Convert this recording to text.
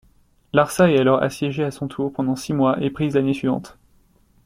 Larsa est alors assiégée à son tour pendant six mois et prise l'année suivante.